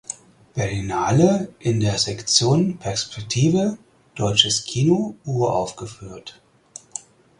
Berlinale in der Sektion Perspektive Deutsches Kino uraufgeführt.